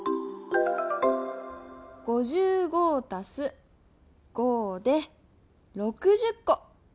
５５足す５で６０コ！